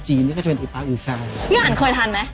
จีนเนี้ยก็จะเป็นอีปลาอีแซลมอนพี่อันเคยทันมั้ย